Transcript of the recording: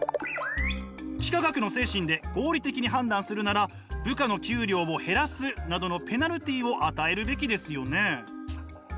幾何学の精神で合理的に判断するなら部下の給料を減らすなどのペナルティを与えるべきですよね？